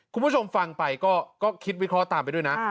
คุณผู้ชมฟังไปก็คิดวิเคราะห์ตามไปด้วยนะ